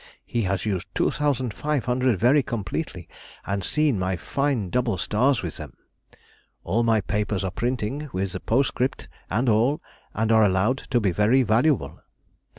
He has used 2500 very completely, and seen my fine double stars with them. All my papers are printing, with the postscript and all, and are allowed to be very valuable.